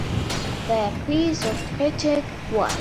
Per Gessle, of Roxette, was credited for the music and soundtrack.